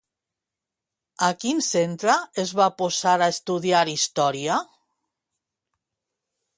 A quin centre es va posar a estudiar història?